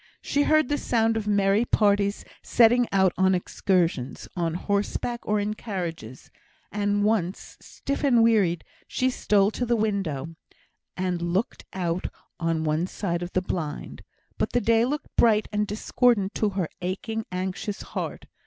She heard the sound of merry parties setting out on excursions, on horseback or in carriages; and once, stiff and wearied, she stole to the window, and looked out on one side of the blind; but the day looked bright and discordant to her aching, anxious heart.